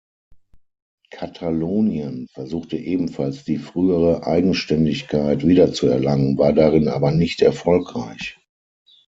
Katalonien versuchte ebenfalls, die frühere Eigenständigkeit wiederzuerlangen, war darin aber nicht erfolgreich.